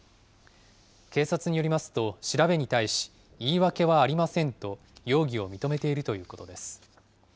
警察によりますと、調べに対し、言い訳はありませんと容疑を認めているということです。